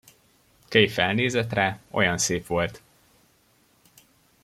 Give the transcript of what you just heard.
Kay felnézett rá; olyan szép volt!